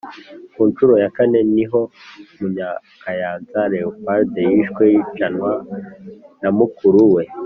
Ku ncuro ya kane ni ho Munyakayanza Leopold yishwe yicanwa na mukuru we